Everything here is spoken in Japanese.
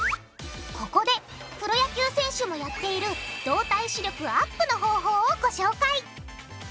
ここでプロ野球選手もやっている動体視力アップの方法をご紹介！